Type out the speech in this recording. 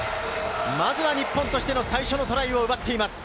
日本としての最初のトライを奪っています。